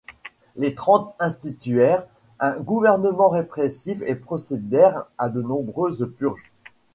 Les Trente instituèrent un gouvernement répressif et procédèrent à de nombreuses purges.